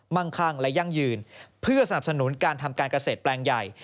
ั่งคั่งและยั่งยืนเพื่อสนับสนุนการทำการเกษตรแปลงใหญ่